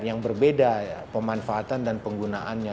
yang berbeda pemanfaatan dan penggunaannya